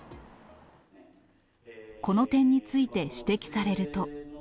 この点について指摘されると。